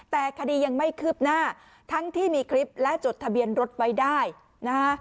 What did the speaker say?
แต่คดียังไม่คืบหน้าทั้งที่มีคลิปและจดทะเบียนรถไว้ได้นะฮะ